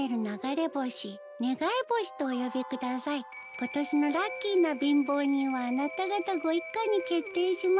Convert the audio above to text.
今年のラッキーな貧乏人はあなた方ご一家に決定しました。